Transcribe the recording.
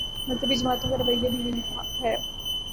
مذہبی جماعتوں کا رویہ بھی یہی ہے۔